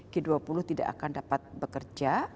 g dua puluh tidak akan dapat bekerja